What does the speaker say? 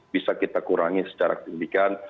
bisa kita kurangi secara signifikan